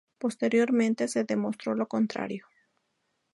Posteriormente se demostró lo contrario.